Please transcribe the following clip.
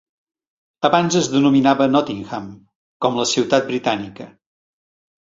Abans es denominava Nottingham, com la ciutat britànica.